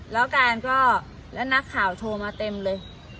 แล้วการก็แล้วนักข่าวโทรมาเต็มเลย